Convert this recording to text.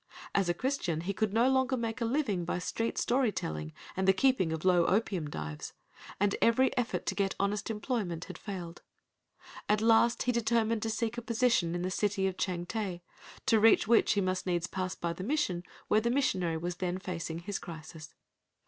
As a Christian he could no longer make a living by street story telling and the keeping of low opium dives, and every effort to get honest employment had failed. At last he determined to seek a position in the city of Changte, to reach which he must needs pass by the Mission where the missionary was then facing his crisis.